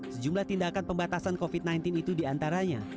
sejumlah tindakan pembatasan covid sembilan belas itu diantaranya